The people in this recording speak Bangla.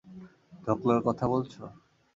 ধোকলার কথা বলছো?